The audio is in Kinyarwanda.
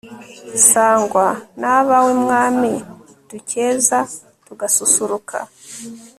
sangwa n abawe mwami dukeza tugasusuruka